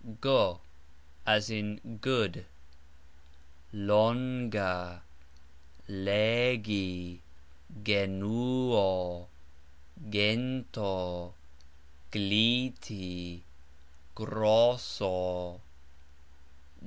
g (as in Good), LON ga, LE gi, ge NU o, GEN to, GLI ti, GRO so.